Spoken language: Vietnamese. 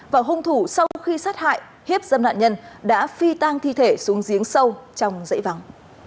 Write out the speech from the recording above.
và hung thủ sau khi sát hại hiếp dâm nạn nhân đã phi tang thi thể xuống giếng sâu trong dãy vắng